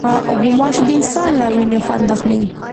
غوماشې د انسان له وینې خوند اخلي.